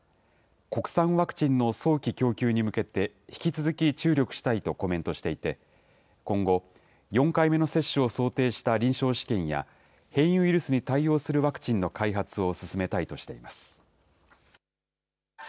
国産ワクチンの早期供給に向けて引き続き注力したいとコメントしていて、今後、４回目の接種を想定した臨床試験や、変異ウイルスに対応するワクチンの開発を進めたいとしています。